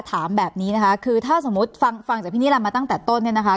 ถามแบบนี้นะคะคือถ้าสมมุติฟังฟังจากพี่นิรันดิมาตั้งแต่ต้นเนี่ยนะคะ